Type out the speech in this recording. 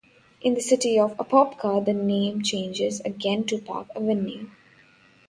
In the city of Apopka the name changes again to Park Avenue.